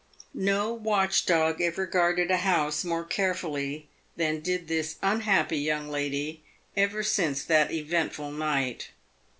No watch dog ever guarded a house more carefully than did this unhappy young lady ever since that eventful night.